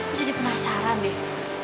gue jadi penasaran deh